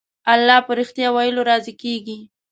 الله په رښتيا ويلو راضي کېږي.